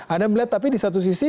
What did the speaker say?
anda melihat tapi di satu sisi